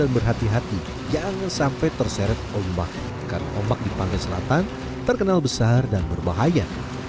berhati hati jangan sampai terseret ombak karena ombak di pantai selatan terkenal besar dan berbahaya